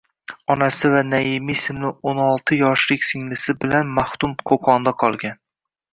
Onasi va Naima ismli o’n olti yoshlik singlisi bilan maxdum Qo’qonda qolgan.